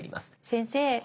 先生。